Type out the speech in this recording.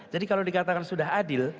jadi kalau dikatakan sudah adil